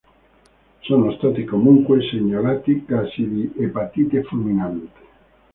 Sono stati comunque segnalati casi di epatite fulminante.